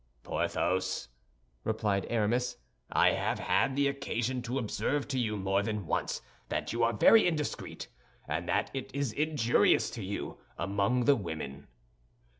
"Porthos," replied Aramis, "I have had the occasion to observe to you more than once that you are very indiscreet; and that is injurious to you among the women."